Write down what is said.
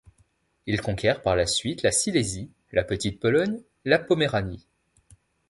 Il conquiert par la suite la Silésie, la Petite-Pologne, la Poméranie.